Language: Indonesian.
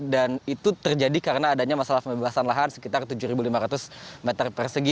dan itu terjadi karena adanya masalah pembebasan lahan sekitar tujuh lima ratus meter persegi